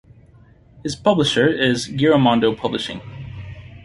His publisher is Giramondo Publishing.